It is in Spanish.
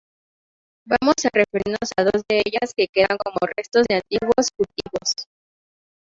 Vamos a referirnos a dos de ellas que quedan como restos de antiguos cultivos.